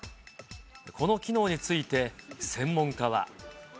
この機能について、専門家は。